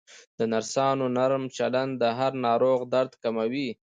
د نرسانو نرم چلند د هر ناروغ درد کموي.